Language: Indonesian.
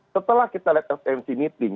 setelah kita lihat fmc meeting